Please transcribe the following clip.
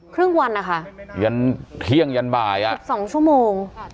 ครึ่งวันนะคะเที่ยงยันบ่าย๑๒ชั่วโมง